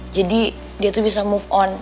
jadi dia tuh bisa move on